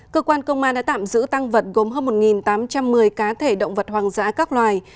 cơ quan công an đã tạm giữ tăng vật gồm hơn một tám trăm một mươi cá thể động vật hoang dã các loài